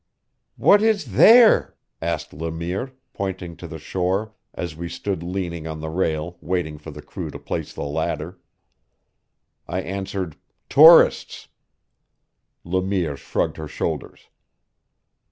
"What is there?" asked Le Mire, pointing to the shore as we stood leaning on the rail waiting for the crew to place the ladder. I answered: "Tourists." Le Mire shrugged her shoulders.